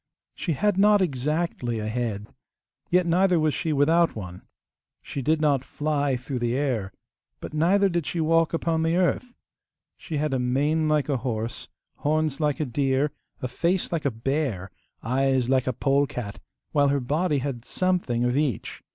She had not exactly a head, yet neither was she without one. She did not fly through the air, but neither did she walk upon the earth. She had a mane like a horse, horns like a deer, a face like a bear, eyes like a polecat; while her body had something of each.